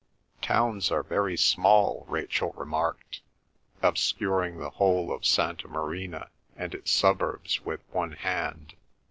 "Towns are very small," Rachel remarked, obscuring the whole of Santa Marina and its suburbs with one hand.